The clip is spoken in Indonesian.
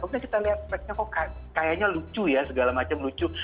oke kita lihat speknya kok kayaknya lucu ya segala macam lucu